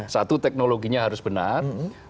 satu teknologinya harus benar